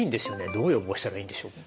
どう予防したらいいんでしょう？